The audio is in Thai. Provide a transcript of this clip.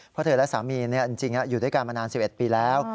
เพราะเธอและสามีจริงอยู่ด้วยกันมานาน๑๑ปีแล้ว